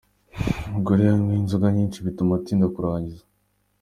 Umugore iyo anyweye inzoga nyinshi bituma atinda kurangiza.